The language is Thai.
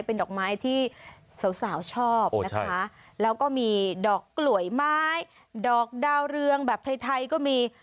เป็นดอกไม้ที่สาวสาวชอบนะคะแล้วก็มีดอกกลวยไม้ดอกดาวเรืองแบบไทยไทยก็มี